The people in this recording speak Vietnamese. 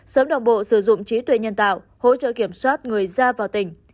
sớm đồng bộ sử dụng trí tuệ nhân tạo hỗ trợ kiểm soát người ra vào tỉnh